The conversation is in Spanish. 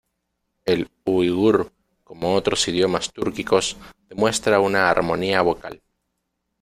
El uigur, como otros idiomas túrquicos, muestra una armonía vocal.